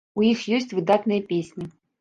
У іх ёсць выдатныя песні!